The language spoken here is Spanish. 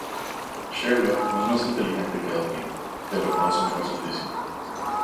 Sherlock no es más inteligente que Dupin, pero conoce mejor su oficio.